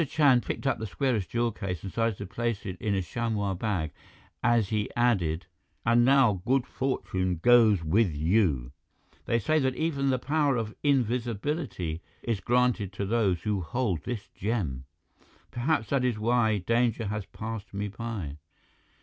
Chand picked up the squarish jewel case and started to place it in a chamois bag, as he added: "And now good fortune goes with you. They say that even the power of invisibility is granted to those who hold this gem. Perhaps that is why danger has passed me by."